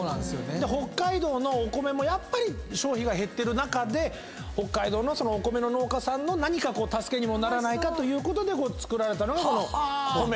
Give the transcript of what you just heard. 北海道のお米もやっぱり消費が減ってる中で北海道のお米の農家さんの何か助けにならないかということで作られたのがこのｃｏｍｅｎ。